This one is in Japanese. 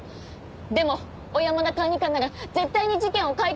でも小山田管理官なら絶対に事件を解決できます。